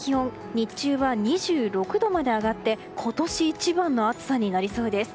日中は２６度まで上がって今年一番の暑さになりそうです。